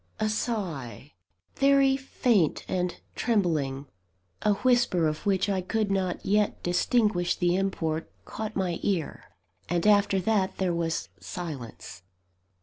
A sigh, very faint and trembling; a whisper of which I could not yet distinguish the import, caught my ear and after that, there was silence.